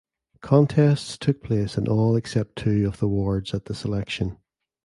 Contests took place in all except two of the wards at this election.